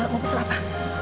mau pesan apa